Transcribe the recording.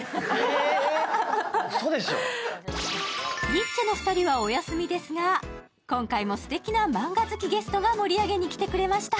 ニッチェの２人はお休みですが、今回もすてきなマンガ好きゲストが盛り上げに来てくれました。